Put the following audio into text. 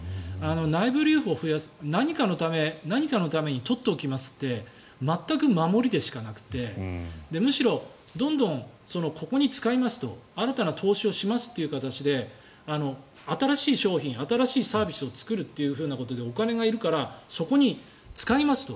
内部留保を増やす何かのために取っておきますってまったく守りでしかなくてむしろどんどんここに使いますと新たな投資をしますという形で新しい商品新しいサービスを作るということでお金がいるからそこに使いますと。